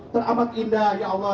teramat indah ya allah